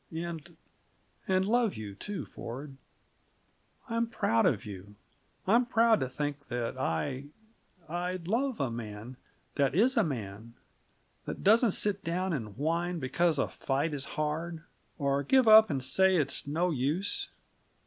And and love you, too, Ford. I'm proud of you! I'm proud to think that I I love a man that is a man; that doesn't sit down and whine because a fight is hard, or give up and say it's no use.